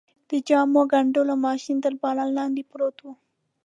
د جامو ګنډلو ماشین تر باران لاندې پروت و.